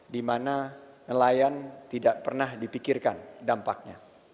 dimana nelayan tidak pernah dipikirkan dampaknya